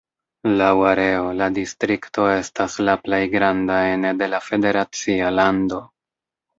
Laŭ areo, la distrikto estas la plej granda ene de la federacia lando.